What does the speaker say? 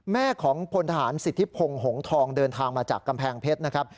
แม่ของพลทหารสิทธิพงศ์หงทองเดินทางมาจากกำแพงเพชรนะครับ